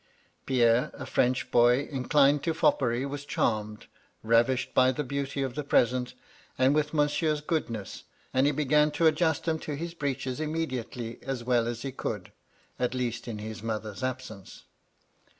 Pierre, a French boy, inclined to foppery, was charmed, ravished by the beauty of the present and with mon sieur's goodness, and he began to adjust them to his breeches immediately, as well as he could, at least, in his mother's absence.